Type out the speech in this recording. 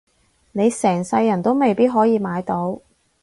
你成世人都未必可以買到